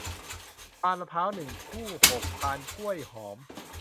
พานมะพร้าว หนึ่ง คู่ หก พานกล้วยหอม